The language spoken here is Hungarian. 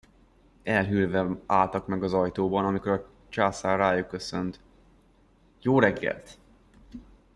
Elhűlve álltak meg az ajtóban, amikor a császár rájuk köszönt: Jó reggelt!